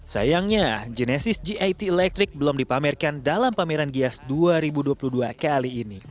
sayangnya genesis git electric belum dipamerkan dalam pameran gias dua ribu dua puluh dua kali ini